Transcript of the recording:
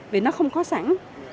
vì nó không có sẵn